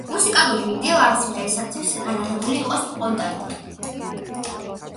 მუსიკალური ვიდეო ამ სიმღერისათვის გადაღებული იყო სპონტანურად.